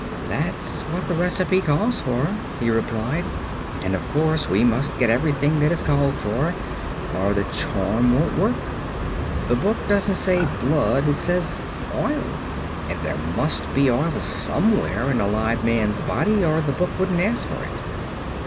"That's what the recipe calls for," he replied, "and of course we must get everything that is called for, or the charm won't work. The book doesn't say 'blood'; it says 'oil,' and there must be oil somewhere in a live man's body or the book wouldn't ask for it."